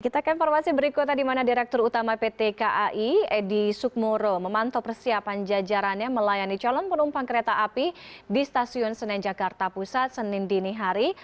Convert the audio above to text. kita ke informasi berikutnya di mana direktur utama pt kai edi sukmoro memantau persiapan jajarannya melayani calon penumpang kereta api di stasiun senen jakarta pusat senin dinihari